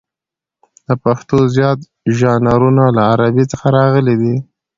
د پښتو زیات ژانرونه له عربي څخه راغلي دي.